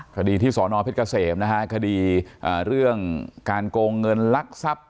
คดีที่สอนอเพชรเกษมนะฮะคดีเรื่องการโกงเงินลักทรัพย์